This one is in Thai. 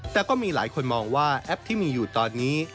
แต่ก็มีหลายคนมองว่าแอปที่มีอยู่ตอนนี้